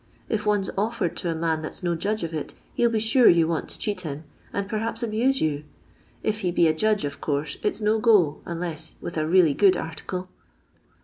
If one 's offered to a man that 's no judge of it, he '11 be sure you want to cheat him, and perhaps abuse you ; if he be a judge, of course it 's no go, unless with a really good article."